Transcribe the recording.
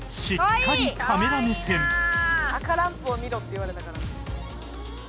「赤ランプを見ろって言われたから」